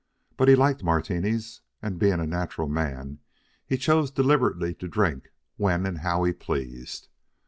But he liked Martinis, and, being a natural man, he chose deliberately to drink when and how he pleased.